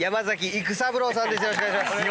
よろしくお願いします。